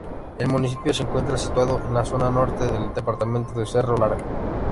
El municipio se encuentra situado en la zona norte del departamento de Cerro Largo.